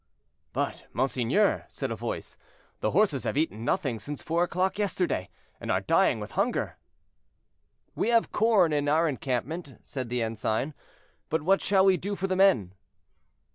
"But, monseigneur," said a voice, "the horses have eaten nothing since four o'clock yesterday, and are dying with hunger." "We have corn in our encampment," said the ensign, "but what shall we do for the men?"